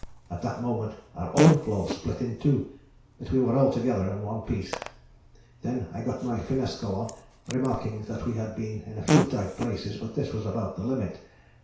At that moment our own floe split in two, but we were all together on one piece. I then got my finnesko on, remarking that we had been in a few tight places, but this was about the limit.